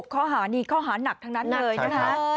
ข้อหานี้ข้อหานักทั้งนั้นเลยนะคะ